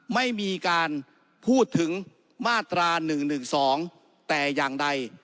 ไม่มีการพูดถึงมาตรา๑๑๒แต่อย่างใด